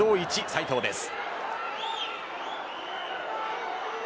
１斉藤です。